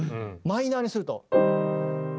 マイナーにすると。